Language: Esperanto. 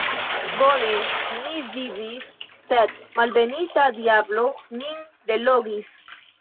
Bone ni vivis, sed malbenita diablo min delogis!